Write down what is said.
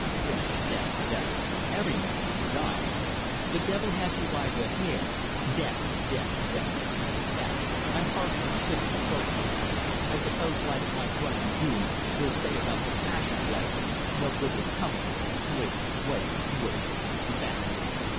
Death, death, death every man must die! The devil has you by the hair death death death!' Bah! I'm heartily sick of croakers. I suppose, like my grunting groom, you'll say about the Passion Play, 'No good will come of it wait wait wait!' Bah!"